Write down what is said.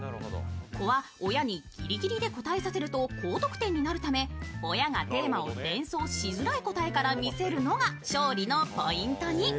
子は親にギリギリで答えさせると高得点になるので親がテーマを連想しづらい答えから見せるのが勝利のポイントに。